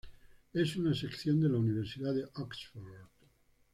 Es una sección de la Universidad de Oxford.